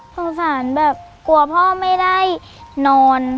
สงสารแบบกลัวพ่อไม่ได้นอน